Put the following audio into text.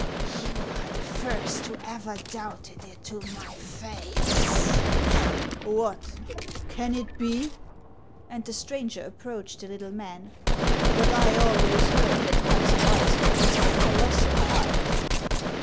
" You are the first who ever doubted it to my face." " What .' can it be ?" And the stranger approached the little man. " But I always heard that Hans of Iceland was of colossal height."